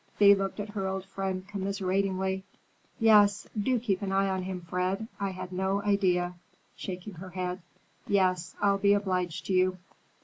Thea looked at her old friend commiseratingly. "Yes, do keep an eye on him, Fred. I had no idea," shaking her head. "Yes, I'll be obliged to you."